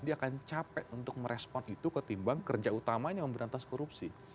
dia akan capek untuk merespon itu ketimbang kerja utamanya memberantas korupsi